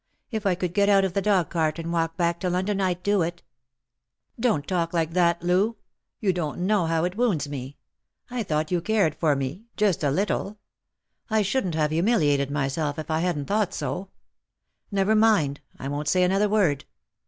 If I could get out of the dog cart and walk back to London, I'd do it." " Don't talk like that, Loo ; you don't know how it wounds me. I thought you cared for me — just a little. I shouldn't have humiliated myself if I hadn't thought so. Never mind ; 1 won't say another word.